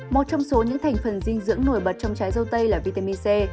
một trong số những thành phần dinh dưỡng nổi bật trong trái dâu tây là vitamin c